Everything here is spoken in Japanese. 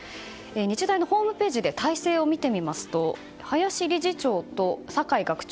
日大のホームページで体制を見てみますと林理事長と酒井学長